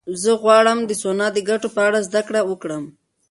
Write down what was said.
زه غواړم د سونا د ګټو په اړه زده کړه وکړم.